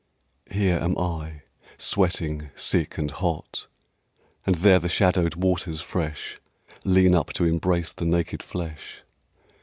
_ Here am I, sweating, sick, and hot, And there the shadowed waters fresh Lean up to embrace the naked flesh.